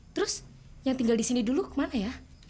terus yang tinggal di sini dulu ke mana ya